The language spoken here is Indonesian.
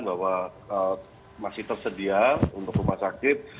bahwa masih tersedia untuk rumah sakit